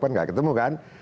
kan gak ketemu kan